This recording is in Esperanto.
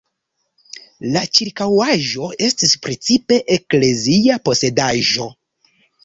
La ĉirkaŭaĵo estis precipe eklezia posedaĵo.